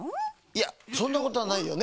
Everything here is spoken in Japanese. いやそんなことはないよね。